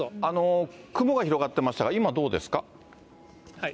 雲が広がってましたが、今、どうですか？